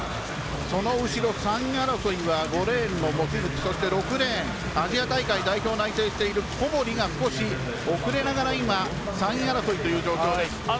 その後ろ３位争いは望月、そして６レーンアジア大会代表内定している小堀が、少し遅れながら３位争いという状況です。